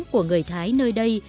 của người thái nơi đây